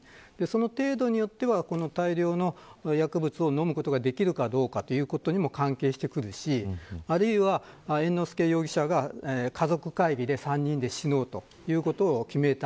程度によっては大量の薬物を飲むことができるかどうかということにも関係してきますしあるいは、猿之助容疑者が家族会議で３人で死のうということを決めた。